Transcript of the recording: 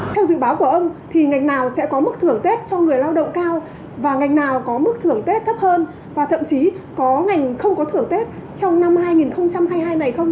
theo dự báo của ông thì ngành nào sẽ có mức thưởng tết cho người lao động cao và ngành nào có mức thưởng tết thấp hơn và thậm chí có ngành không có thưởng tết trong năm hai nghìn hai mươi hai này không